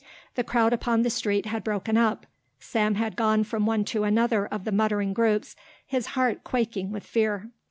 The crowd upon the street had broken up. Sam had gone from one to another of the muttering groups, his heart quaking with fear.